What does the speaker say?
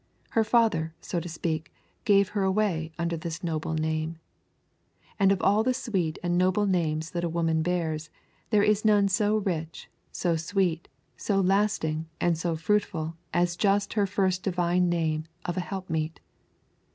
Her Father, so to speak, gave her away under this noble name. And of all the sweet and noble names that a woman bears, there is none so rich, so sweet, so lasting, and so fruitful as just her first Divine name of a helpmeet.